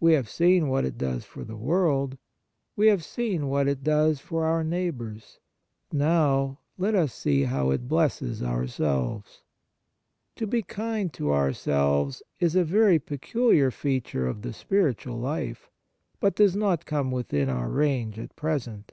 We have seen what it does for the world. We have seen what it does for our neighbours. Now let us see how it blesses ourselves. To be kind to ourselves is a very peculiar feature of the spiritual life, but does not come within our range at present.